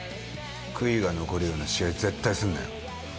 悔いが残るような試合絶対すんなよ。